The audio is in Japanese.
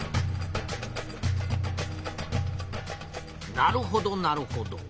なるほどなるほど。